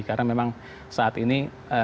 karena memang saat ini